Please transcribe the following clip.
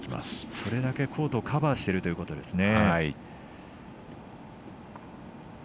それだけコートをカバーしているということですね。